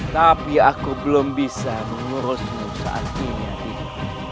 tapi aku belum bisa mengurusmu saat ini